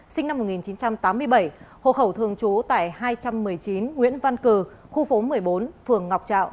sinh năm một nghìn chín trăm tám mươi bảy hộ khẩu thường trú tại hai trăm một mươi chín nguyễn văn cử khu phố một mươi bốn phường ngọc trạo